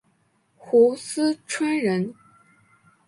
斛斯椿人。